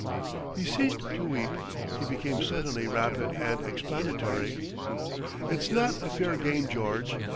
He ceased to weep. He became suddenly rapid and explanatory. "It's not a fair game, George.